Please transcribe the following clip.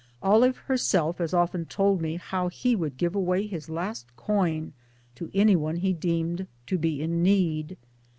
Olive herself has often told me how he would give away his last coin to any one he deemed to be in need.